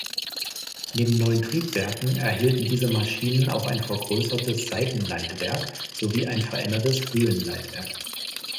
Neben neuen Triebwerken erhielten diese Maschinen auch ein vergrößertes Seitenleitwerk sowie ein verändertes Höhenleitwerk.